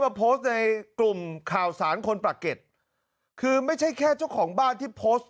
โพสต์ในกลุ่มข่าวสารคนปากเก็ตคือไม่ใช่แค่เจ้าของบ้านที่โพสต์